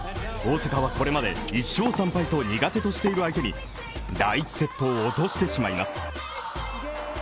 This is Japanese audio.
大坂はこれまで１勝３敗と苦手としている相手に第１セットを落としてしまいます。